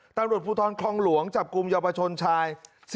ตรภูทรครองหลวงจับกลุ่มเยาวชนชาย๑๖๑๕๑๓